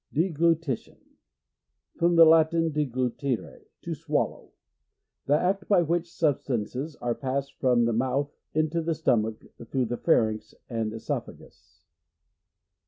Deglutition. — From the Latin deglu tire, to swallow. The act by which substances are passed from the mouth into the stomach, through the pharynx and oesophagus.